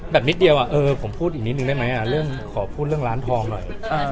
นิดเดียวผมพูดอีกนิดนึงได้ไหมเรื่องขอพูดเรื่องร้านทองหน่อย